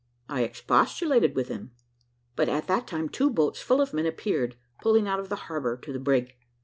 I expostulated with him, but at that time two boats full of men appeared, pulling out of the harbour to the brig.